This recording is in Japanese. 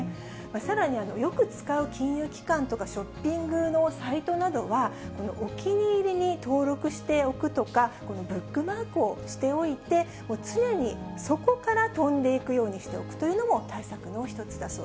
さらに、よく使う金融機関とかショッピングのサイトなどは、お気に入りに登録しておくとか、ブックマークをしておいて、常にそこから飛んでいくようにしておくというのも、対策の一つだ